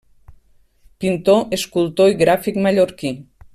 Pintor, escultor i gràfic mallorquí.